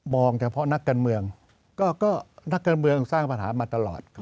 เฉพาะนักการเมืองก็นักการเมืองสร้างปัญหามาตลอด